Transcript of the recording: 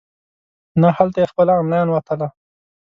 نه هلته یې خپله انلاین وتله.